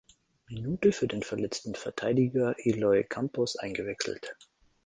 Minute für den verletzten Verteidiger Eloy Campos eingewechselt.